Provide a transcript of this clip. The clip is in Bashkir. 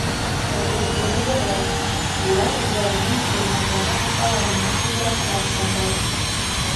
Ә Күкбүре белә: улар үҙҙәренең урмандағы аталарына күберәк тартҡандар.